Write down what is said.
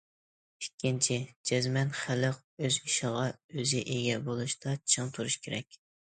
ئىككىنچى، جەزمەن خەلق ئۆز ئىشىغا ئۆزى ئىگە بولۇشتا چىڭ تۇرۇش كېرەك.